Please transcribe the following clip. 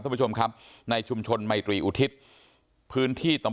ทั้งผู้ชมครับในชุมชนไมทรีอุทิษฐ์